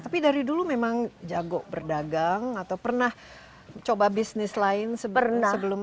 tapi dari dulu memang jago berdagang atau pernah coba bisnis lain sebelum